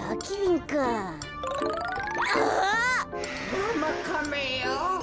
ガマカメよ。